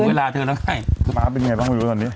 วันนี้มาถึงเวลาเถอะน้องไข่สมาธิเป็นไงต้องกินวันนี้